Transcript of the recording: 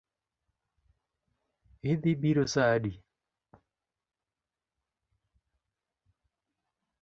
Idhi biro saa adi?